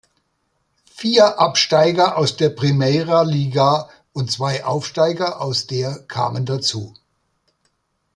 Vier Absteiger aus der Primeira Liga und zwei Aufsteiger aus der kamen dazu.